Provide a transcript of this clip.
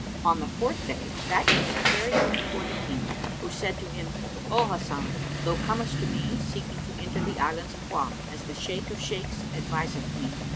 On the fourth day, that eunuch carried him before the King, who said to him, "O Hasan, thou comest to me, seeking to enter the Islands of Wak, as the Shaykh of Shaykhs adviseth me.